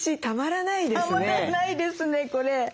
たまらないですねこれ。